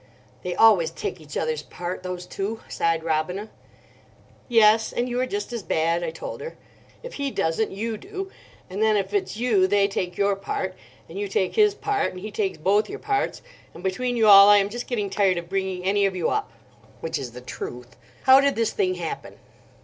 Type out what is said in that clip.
"They always take each other's part, those two," sighed Robina. "Yes, and you are just as bad," I told her; "if he doesn't, you do. And then if it's you they take your part. And you take his part. And he takes both your parts. And between you all I am just getting tired of bringing any of you up." (Which is the truth.) "How did this thing happen?"